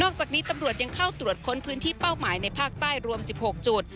จากนี้ตำรวจยังเข้าตรวจค้นพื้นที่เป้าหมายในภาคใต้รวม๑๖จุด